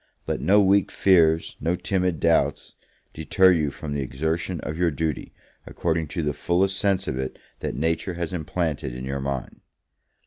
let no weak fears, no timid doubts, deter you from the exertion of your duty, according to the fullest sense of it that Nature has implanted in your mind.